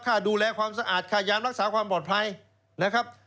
ค่าดูแลความสะอาดค่ายามรักษาความปลอดภัยนะครับ